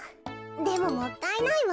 でももったいないわ。